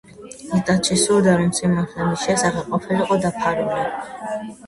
იტაჩის სურდა, რომ სიმართლე მის შესახებ ყოფილიყო დაფარული.